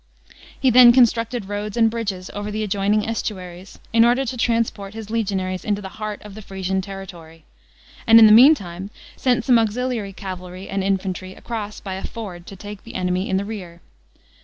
He then constructed roads and bridges over the adjoining estuaries, in order to transport his legionaries into tne heart of the Frisian territory; and in the meantime sent some auxiliary cavalry and infantry across by a ford to take the enemy in the rear.